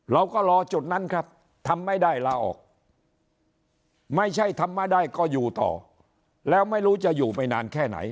รอจุดนั้นครับทำไม่ได้ลาออกไม่ใช่ทำไม่ได้ก็อยู่ต่อแล้วไม่รู้จะอยู่ไปนานแค่ไหน